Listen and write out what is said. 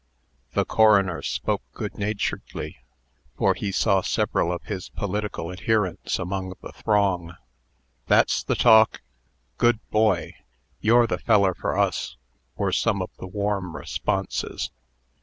The coroner spoke good naturedly, for he saw several of his political adherents among the throng. "That's the talk!" "Good boy!" "You're the feller for us!" were some of the warm responses.